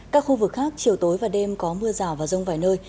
các khu vực khác chiều tối và đêm có mưa rào và rông vài nơi